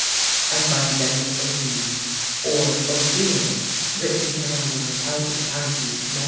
I find Dennis O'Deeve or O'Deere written down on the Talbot County (Md.)